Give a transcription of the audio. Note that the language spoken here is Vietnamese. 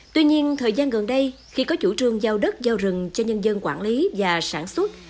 tuy nhiên thời gian gần đây khi có chủ trương giao đất giao rừng cho nhân dân quản lý và sản xuất